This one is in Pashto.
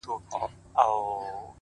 سپين گل د بادام مي د زړه ور مـات كړ ـ